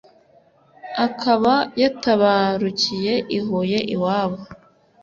akaba yatabarukiye i Huye iwabo